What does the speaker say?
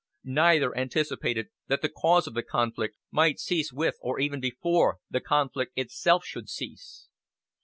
Neither anticipated that the cause of the conflict might cease with, or even before, the conflict itself should cease.